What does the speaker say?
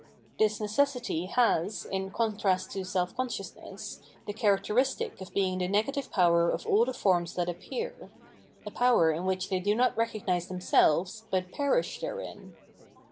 This necessity has, in contrast to self consciousness, the char acteristic of being the negative power of aU the forms that appear, a power in which they do not recognise themselves, but perish therein.